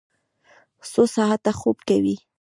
څو ساعته خوب کوئ؟